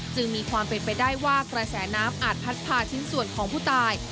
จึงมีความเป็นไปได้ว่ากระแสน้ำอาจพัดพาชิ้นส่วนของผู้ตาย